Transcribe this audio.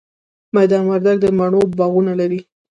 میدان وردګ د مڼو باغونه لري